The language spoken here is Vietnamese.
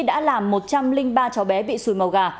đã làm một trăm linh ba cháu bé bị sùi màu gà